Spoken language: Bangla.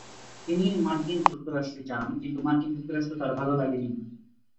তিনি মার্কিন যুক্তরাষ্ট্রে যান; কিন্তু মার্কিন যুক্তরাষ্ট্র তার ভালো লাগেনি।